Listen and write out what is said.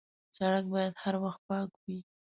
سړک باید هر وخت پاک وي.